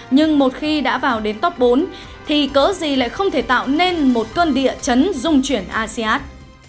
nhưng một khi đã vào đến top bốn thì cỡ gì lại không thể tạo nên một cơn địa chấn dung chuyển asean